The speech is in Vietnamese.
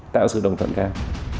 tạo sự đồng thận khác